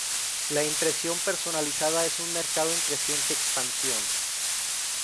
La impresión personalizada es un mercado en creciente expansión.